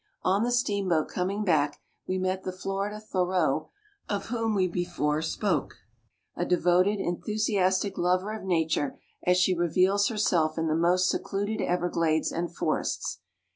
On the steamboat, coming back, we met the Florida Thoreau of whom we before spoke, a devoted, enthusiastic lover of Nature as she reveals herself in the most secluded everglades and forests.